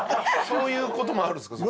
そういう事もあるんですか？